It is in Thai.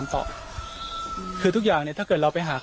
เอาเป็นว่าอ้าวแล้วท่านรู้จักแม่ชีที่ห่มผ้าสีแดงไหม